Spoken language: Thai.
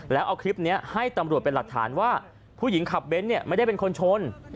แล้วเอาคลิปนี้ให้ตำรวจเป็นหลักฐานว่าผู้หญิงขับเบ้นไม่ได้เป็นคนชน